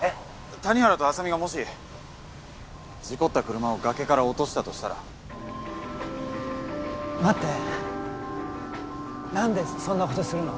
谷原と浅見がもし事故った車を崖から落としたとしたら待って何でそんなことするの？